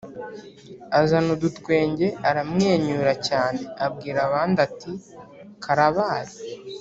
Azana udutwenge aramwenyura cyaneAbwira abandi ati: "Karabaye!"